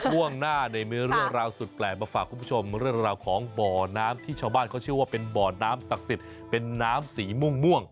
ช่วงหน้ามีเรื่องราวสุดแปลกมาฝากคุณผู้ชมเรื่องราวของบ่อน้ำที่ชาวบ้านเขาเชื่อว่าเป็นบ่อน้ำศักดิ์สิทธิ์เป็นน้ำสีม่วง